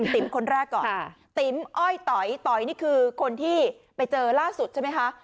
ติ๋มคนแรกก่อนติ๋มอ้อยต๋อยต๋อยนี่คือคนที่ไปเจอล่าสุดใช่ไหมคะ